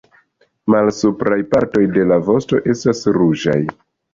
Malsupraj partoj de la vosto estas ruĝaj.